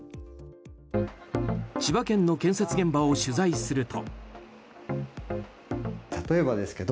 千葉県の建設現場を取材すると。